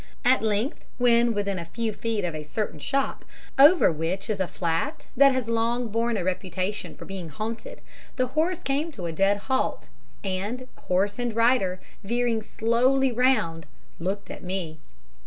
At length, when within a few feet of a certain shop, over which is a flat that has long borne a reputation for being haunted, the horse came to a dead halt, and horse and rider, veering slowly round, looked at me.